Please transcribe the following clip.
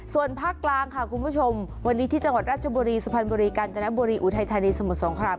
ส่วนภาคกลางค่ะคุณผู้ชมวันนี้ที่จังหวัดราชบุรีสุพรรณบุรีกาญจนบุรีอุทัยธานีสมุทรสงคราม